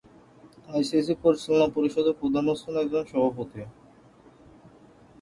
ICC পরিচালনা পরিষদের প্রধান হচ্ছেন একজন সভাপতি।